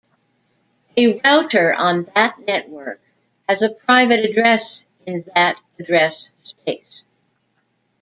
A router on that network has a private address in that address space.